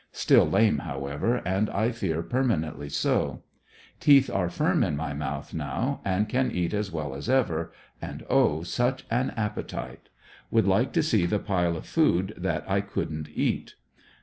Still lame, however, and I fear permanently so. Teefii are firm in my mouth now, and can eat as well as ever, and oh! such an appetite. Would like to see the pile of food that I couldn't eat.